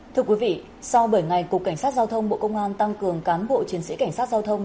thưa quý vị sau bảy ngày cục cảnh sát giao thông bộ công an tăng cường cán bộ chiến sĩ cảnh sát giao thông